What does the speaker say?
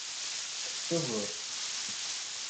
Kkset ugur!